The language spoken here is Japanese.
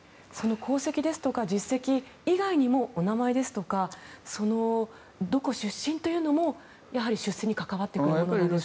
功績ですとか実績以外にもお名前ですとかどこ出身というのもやはり出世に関わってくるものですか。